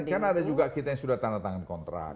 kan ada juga kita yang sudah tanda tangan kontrak